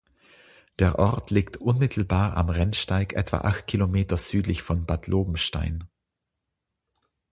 Der Ort liegt unmittelbar am Rennsteig etwa acht Kilometer südlich von Bad Lobenstein.